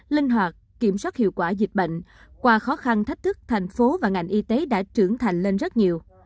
linh hoạt kiểm soát hiệu quả dịch bệnh qua khó khăn thách thức thành phố và ngành y tế đã trưởng thành lên rất nhiều